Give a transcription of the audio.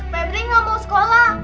pepri nggak mau ke sekolah